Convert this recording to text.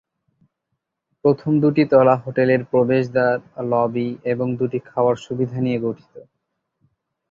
প্রথম দুটি তলা হোটেলের প্রবেশদ্বার, লবি এবং দুটি খাওয়ার সুবিধা নিয়ে গঠিত।